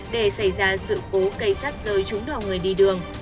để xảy ra sự cố cây sắt rơi trúng đầu người đi đường